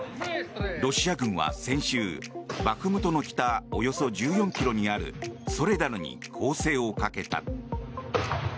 ロシア軍は先週、バフムトの北およそ１４ｋｍにあるソレダルに攻勢をかけた。